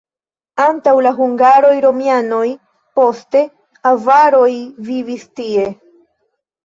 Antaŭ la hungaroj romianoj, poste avaroj vivis tie.